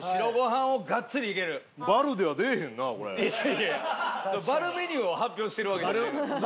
いやいやバルメニューを発表してるわけではないので。